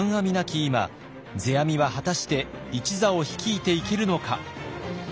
今世阿弥は果たして一座を率いていけるのか。